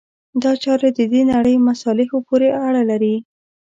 دا چارې د دې نړۍ مصالحو پورې اړه لري.